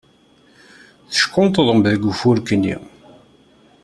Teckunṭḍem deg ufurk-nni.